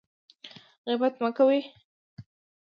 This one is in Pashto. غیبت مه کوئ